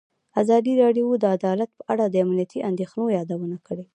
ازادي راډیو د عدالت په اړه د امنیتي اندېښنو یادونه کړې.